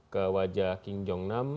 ke wajah king jong nam